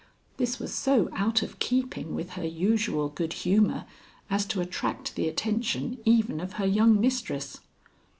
This was so out of keeping with her usual good humor as to attract the attention even of her young mistress.